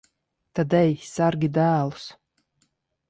Tad ej, sargi dēlus.